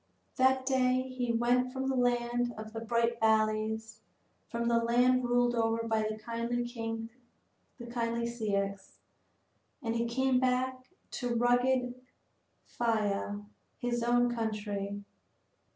That day he went from the land of the bright valleys, from the land ruled over by the kindly Ceyx, and he came back to rugged Phthia, his own country.